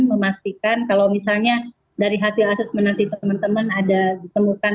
memastikan kalau misalnya dari hasil asesmen nanti teman teman